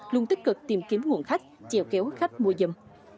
luôn tích cực tìm kiếm nguồn khách chèo kéo khách mua dâm